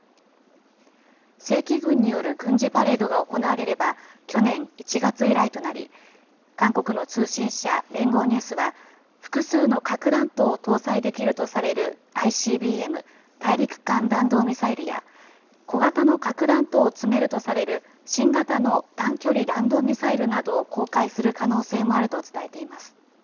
正規軍による軍事パレードが行われれば、去年１月以来となり、韓国の通信社、連合ニュースは複数の核弾頭を搭載できるとされるＩＣＢＭ・大陸間弾道ミサイルや、小型の核弾頭を積めるとされる新型の短距離弾道ミサイルなどを公開する可能性もあると伝えています。